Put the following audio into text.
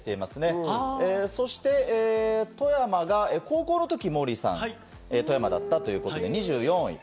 そして富山が高校のときモーリーさん、いらっしゃったということで２４位。